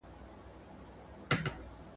اثر باید نوم او عنوان ولري.